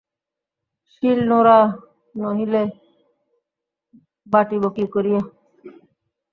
শিল-নোড়া নহিলে বাটিব কী করিয়া?